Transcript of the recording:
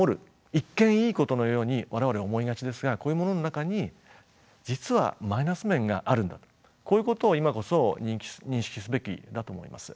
一見いいことのように我々思いがちですがこういうものの中に実はマイナス面があるんだとこういうことを今こそ認識すべきだと思います。